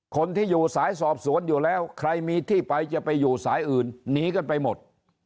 คนที่อยู่สายสอบสวนอยู่แล้วใครมีที่ไปจะไปอยู่สายอื่นหนีกันไปหมด